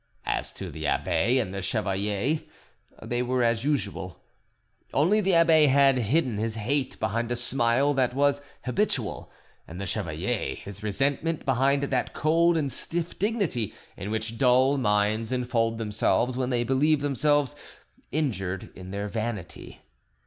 As to the abbe and the chevalier, they were as usual; only the abbe had hidden his hate behind a smile that was habitual, and the chevalier his resentment behind that cold and stiff dignity in which dull minds enfold themselves when they believe themselves injured in their vanity.